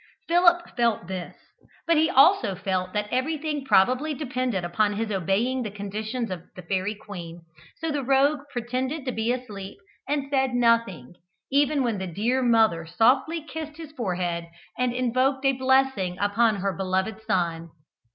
Philip felt this, but he also felt that everything probably depended upon his obeying the conditions of the fairy queen, so the rogue pretended to be asleep, and said nothing, even when the dear mother softly kissed his forehead and invoked a blessing upon her beloved son.